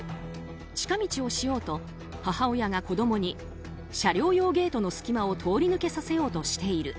近道をしようと母親が子供に車両用ゲートの隙間を通り抜けさせようとしている。